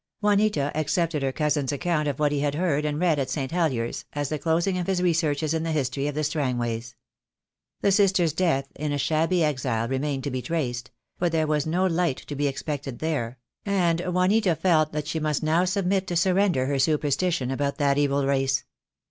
Juanita accepted her cousin's account of what he had heard and read at St. Helliers, as the closing of his re searches in the history of the Strangways. The sister's death in a shabby exile remained to be traced; but there was no light to be expected there; and Juanita felt that she must now submit to surrender her superstition about that evil race.